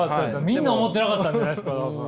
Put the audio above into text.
みんな思ってなかったんじゃないですか多分。